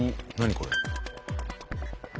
これ。